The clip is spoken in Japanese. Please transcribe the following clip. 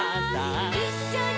「いっしょに」